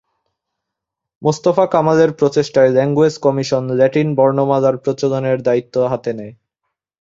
মোস্তফা কামালের প্রচেষ্টায় language commission Latin বর্ণমালার প্রচলনের দায়িত্ব হাতে নেয়।